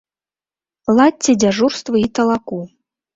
Ладзьце дзяжурствы і талаку.